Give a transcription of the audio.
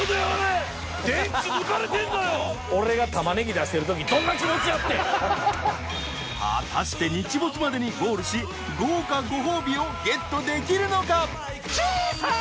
俺がタマネギ出してるとき果たして日没までにゴールし豪華ご褒美をゲットできるのか？